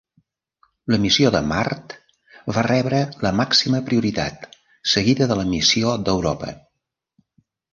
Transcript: La missió de Mart va rebre la màxima prioritat, seguida de la missió d'Europa.